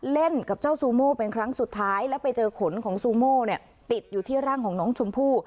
เล่นกับเจ้าซูโม่เป็นครั้งสุดท้ายแล้วไปเจอขนของซูโม่เนี่ยติดอยู่ที่ร่างของน้องชมพู่